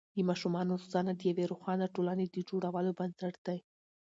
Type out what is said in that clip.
د ماشومانو روزنه د یوې روښانه ټولنې د جوړولو بنسټ دی.